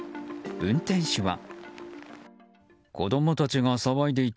運転手は。